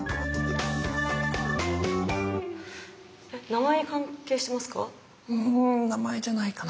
名前に関係してますか？